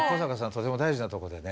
とても大事なとこでね。